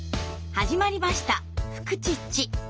始まりました「フクチッチ」！